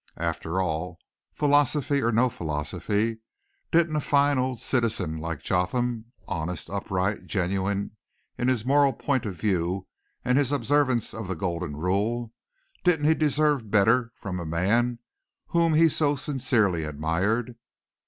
After all, philosophy or no philosophy, didn't a fine old citizen like Jotham, honest, upright, genuine in his moral point of view and his observance of the golden rule, didn't he deserve better from a man whom he so sincerely admired?